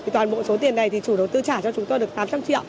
toàn bộ số tiền này thì chủ đầu tư trả cho chúng tôi được tám trăm linh triệu